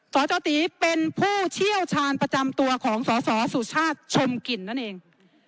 สจตีเป็นผู้เชี่ยวชาญประจำตัวของสสสุชาติชมกลิ่นนั่นเอง